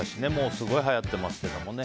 すごいはやっていますけどもね。